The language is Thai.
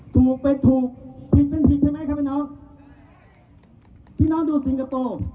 ถูกเป็นถูกผิดเป็นผิดใช่ไหมครับพี่น้องพี่น้องโดนสิงคโปร์